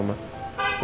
udah bangun belum